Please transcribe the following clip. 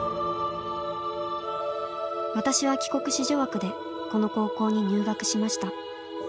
「私は帰国子女枠でこの高校に入学しました。